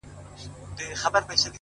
هره ورځ د ذهن د بیا تنظیم فرصت دی،